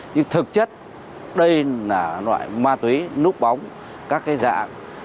nhưng thực chất đây là loại ma túy núp bóng các cái dạng